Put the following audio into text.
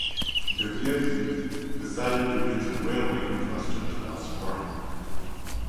Depietri decided to bid the railway infrastructure as scrap.